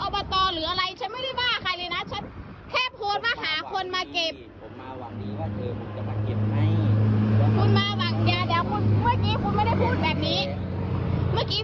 ว่าหาคนมากิบหมาที่นี้เนี่ย